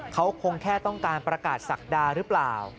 เขาคงแค่ต้องการประกาศศักดาหรือเปล่า